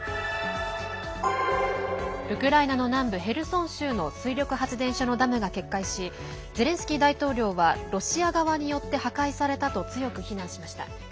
ウクライナの南部ヘルソン州の水力発電所のダムが決壊しゼレンスキー大統領はロシア側によって破壊されたと強く非難しました。